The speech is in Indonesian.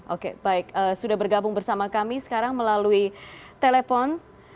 oke baik sudah bergabung bersama kami sekarang melalui telepon